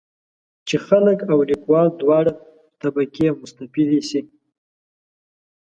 چې خلک او لیکوال دواړه طبقې مستفیدې شي.